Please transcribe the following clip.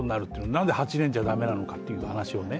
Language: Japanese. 何で８年じゃだめなのかという話をね。